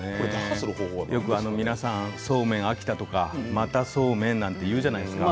よく皆さんそうめん飽きたとかまたそうめん？なんて言うじゃないですか。